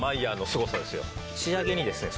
仕上げにですね